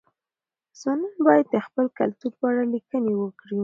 ځوانان باید د خپل کلتور په اړه لیکني وکړي.